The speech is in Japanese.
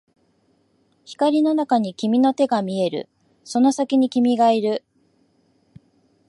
光の中に君の手が見える、その先に君がいる